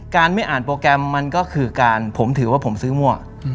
ไม่อ่านโปรแกรมมันก็คือการผมถือว่าผมซื้อมั่ว